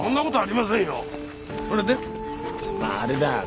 まああれだ。